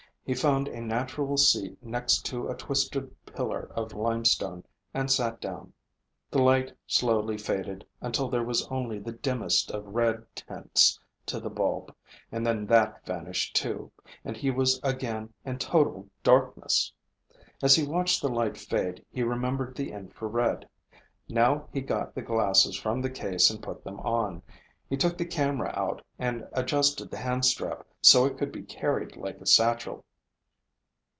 He found a natural seat next to a twisted pillar of limestone and sat down. The light slowly faded until there was only the dimmest of red tints to the bulb, and then that vanished too, and he was again in total darkness. As he watched the light fade, he remembered the infrared. Now he got the glasses from the case and put them on. He took the camera out and adjusted the handstrap so it could be carried like a satchel.